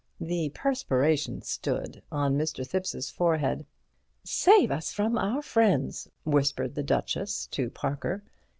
The perspiration stood on Mr. Thipps's forehead. "Save us from our friends," whispered the Duchess to Parker.